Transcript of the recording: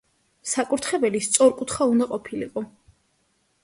საკურთხეველი სწორკუთხა უნდა ყოფილიყო.